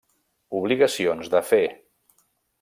Obligacions de fer.